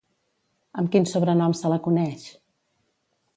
Amb quin sobrenom se la coneix?